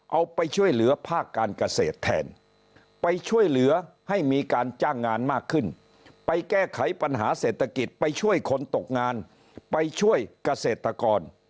เอาไปช่วยเหลือภาคการเกษตรแทนไปช่วยเหลือให้มีการจ้างงานมากขึ้นไปแก้ไขปัญหาเศรษฐกิจไปช่วยคนตกงานไปช่วยเกษตรกร